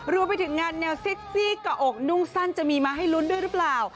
รวมไปถึงงานแนวเซ็กซี่กระอกนุ่งสั้นจะมีมาให้ลุ้นด้วยหรือเปล่า